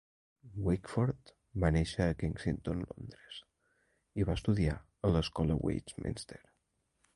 Wakeford va néixer a Kensington, Londres, i va estudiar a l'escola Westminster.